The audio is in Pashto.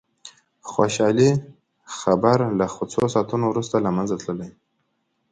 د خوشالي خبر له څو ساعتونو وروسته له منځه تللي.